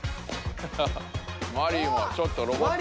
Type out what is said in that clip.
マリイもちょっとロボット。